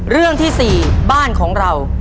เรื่องที่๔บ้านของเรา